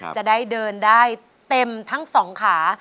จะได้เดินได้เต็มทั้งสองขา